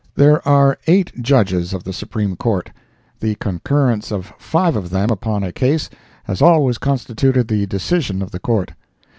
There are eight Judges of the Supreme Court. The concurrence of five of them upon a case has always constituted the decision of the Court.